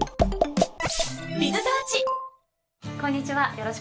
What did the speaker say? こんにちは。